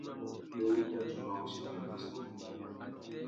Pepena râ mbérénô i tà djôma wussi pandú azê ngu mú.